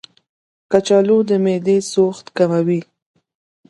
کچالو د معدې سوخت کموي.